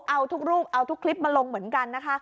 เอาทุกรูปเอาทุกคลิปมาลงเหมือนกันนะคะ